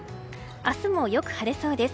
明日もよく晴れそうです。